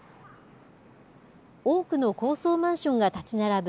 多くの高層マンションが立ち並ぶ